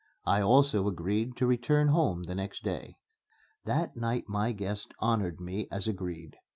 I also agreed to return home the next day. That night my guests honored me as agreed.